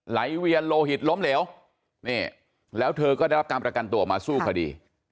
เวียนโลหิตล้มเหลวนี่แล้วเธอก็ได้รับการประกันตัวออกมาสู้คดี